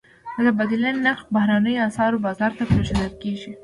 د تبادلې نرخ بهرنیو اسعارو بازار ته پرېښودل کېږي.